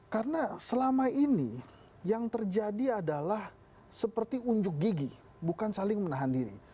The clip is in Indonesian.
karena selama ini yang terjadi adalah seperti unjuk gigi bukan saling menahan diri